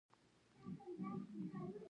رڼا یواځې په رښتوني زړه کې ځلېږي.